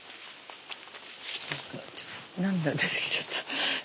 涙出てきちゃった。